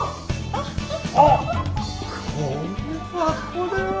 あっこれはこれは。